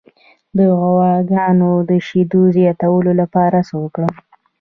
د غواګانو د شیدو زیاتولو لپاره څه وکړم؟